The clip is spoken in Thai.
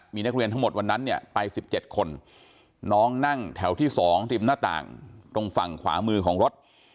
มีนักเรียนทั้งหมดวันนั้นเนี่ยไป๑๗คนน้องนั่งแถวที่๒ริมหน้าต่างตรงฝั่งขวามือของรถ